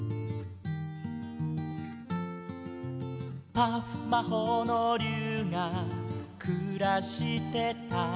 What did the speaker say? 「パフ魔法の竜がくらしてた」